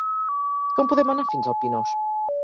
Com podem anar fins al Pinós?